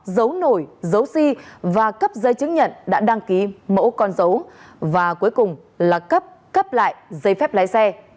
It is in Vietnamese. giấu nổi dấu si và cấp giấy chứng nhận đã đăng ký mẫu con dấu và cuối cùng là cấp cấp lại giấy phép lái xe